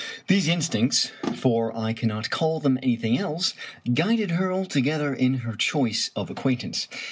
These instincts, for I cannot call them anything else, guided her altogether in her choice of acquaintance.